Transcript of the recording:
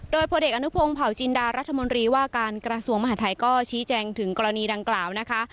โดยพลเอกอนุพงศ์เผาจินดารัฐมนตรีว่าการกระทรวงมหาทัยก็ชี้แจงถึงกรณีดังกล่าวนะคะ